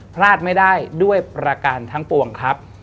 พลาดไม่ได้ด้วยประการทั้งปวงครับ